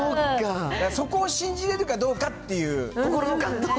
そこを信じれるかどうかっていう。